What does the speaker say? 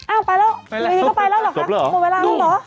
อ้าวไปแล้ววันนี้ก็ไปแล้วหรือคะหมดเวลาแล้วหรือคะนุ่ม